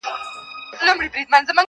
خدايه په دې شریر بازار کي رڼایي چیري ده,